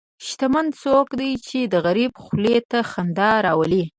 شتمن څوک دی چې د غریب خولې ته خندا راولي.